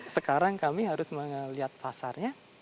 sekarang kami harus melihat pasarnya